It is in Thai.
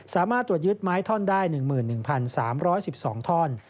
สามารถตรวจยึดไม้ท่อนได้๑๑๓๑๒ท่อน